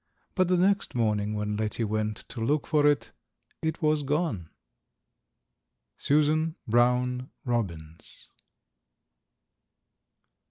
But the next morning when Letty went to look for it, it was gone. Susan Brown Robbins.